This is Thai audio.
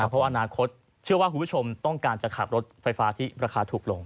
เพราะอนาคตเชื่อว่าคุณผู้ชมต้องการจะขับรถไฟฟ้าที่ราคาถูกลง